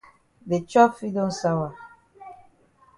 De chop fit don sawa.